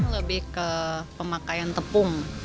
lebih ke pemakaian tepung